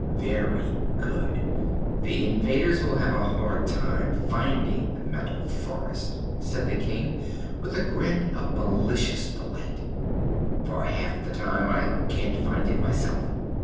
"Very good. The invaders will have a hard time finding the Metal Forest," said the King, with a grin of malicious delight, "for half the time I can't find it myself.